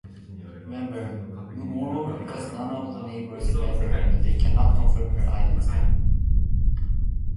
Moreover, because none of the neighbors remember her, they cannot confirm her identity.